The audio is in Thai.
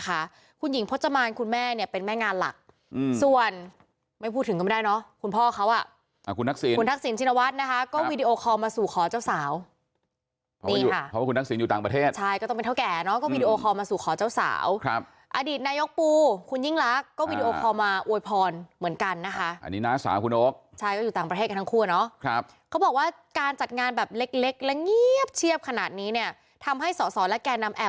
แปลกสินค้าแปลกสินค้าแปลกสินค้าแปลกสินค้าแปลกสินค้าแปลกสินค้าแปลกสินค้าแปลกสินค้าแปลกสินค้าแปลกสินค้าแปลกสินค้าแปลกสินค้าแปลกสินค้าแปลกสินค้าแปลกสินค้าแปลกสินค้าแปลกสินค้าแปลกสินค้าแปลกสินค้าแปลกสินค้าแ